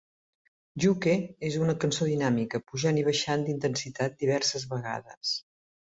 "Juke" és una cançó dinàmica, pujant i baixant d'intensitat diverses vegades.